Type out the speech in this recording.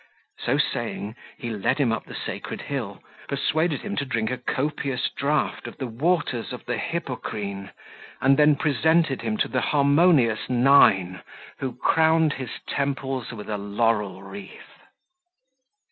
So saying, he led him up the sacred hill, persuaded him to drink a copious draught of the waters of the Hippocrene, and then presented him to the harmonious Nine, who crowned his temples with a laurel wreath.